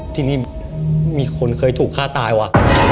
ทีนี้มีคนเคยถูกฆ่าตายว่ะ